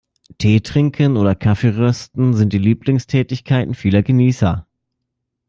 Teetrinken oder Kaffeerösten sind die Lieblingstätigkeiten vieler Genießer.